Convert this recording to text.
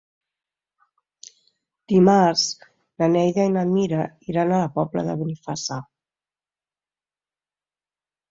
Dimarts na Neida i na Mira iran a la Pobla de Benifassà.